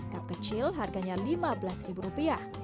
kap kecil harganya lima belas ribu rupiah